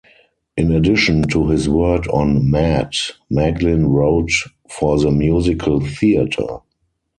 In addition to his work on "Mad", Meglin wrote for the musical theater.